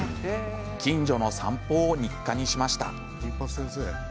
近所の散歩を日課にしました。